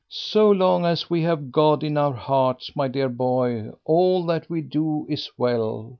"So long as we have God in our hearts, my dear boy, all that we do is well.